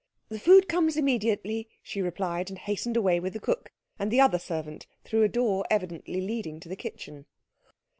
"The food comes immediately," she replied; and hastened away with the cook and the other servant through a door evidently leading to the kitchen.